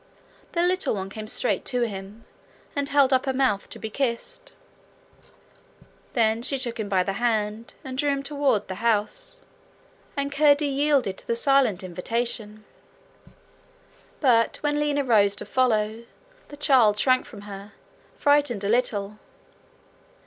The little one came straight to him, and held up her mouth to be kissed. Then she took him by the hand, and drew him toward the house, and Curdie yielded to the silent invitation. But when Lina rose to follow, the child shrank from her, frightened a little.